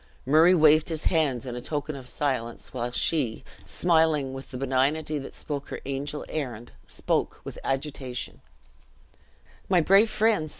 Murray waved his hands in token of silence; while she, smiling with the benignity that spoke her angel errand, spoke with agitation: "My brave friends!"